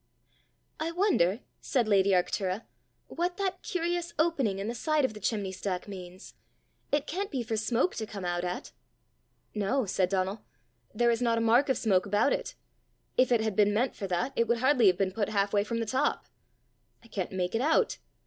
"I wonder," said lady Arctura, "what that curious opening in the side of the chimney stack means! It can't be for smoke to come out at!" "No," said Donal; "there is not a mark of smoke about it. If it had been meant for that, it would hardly have been put half way from the top! I can't make it out!